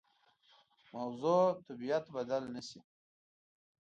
موضوع طبیعت بدل نه شي.